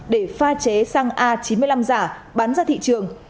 để pha chế xăng a chín mươi năm giả bán ra thị trường